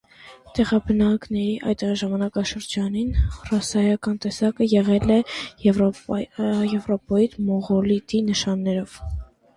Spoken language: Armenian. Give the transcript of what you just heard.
Տեղաբնակների այդ ժամանակաշրջանի ռասայական տեսակը եղել է եվրոպոիդ մոնղոլոիդի նշաններով։